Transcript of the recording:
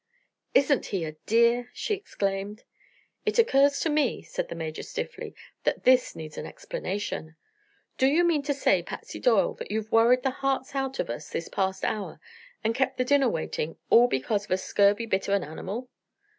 "Isn't he a dear!" she exclaimed. "It occurs to me," said the Major stiffly, "that this needs an explanation. Do you mean to say, Patsy Doyle, that you've worried the hearts out of us this past hour, and kept the dinner waiting, all because of a scurvy bit of an animal?"